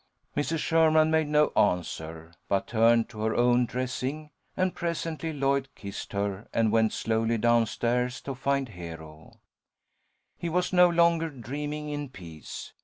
Mrs. Sherman made no answer, but turned to her own dressing, and presently Lloyd kissed her, and went slowly down stairs to find Hero. He was no longer dreaming in peace.